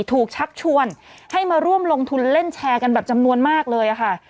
ชักชวนให้มาร่วมลงทุนเล่นแชร์กันแบบจำนวนมากเลยค่ะ